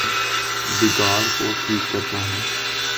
بگاڑ کو ٹھیک کرنا ہے۔